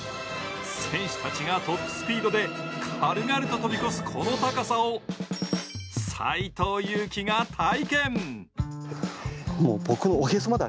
選手たちがトップスピードで軽々と飛び越すこの高さを斎藤佑樹が体験。